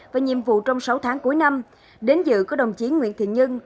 và nhiệm vụ trong sáu tháng cuối năm đến dự của đồng chí nguyễn thị nhân